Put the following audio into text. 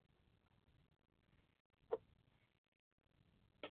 以为没寄，结果是我漏信了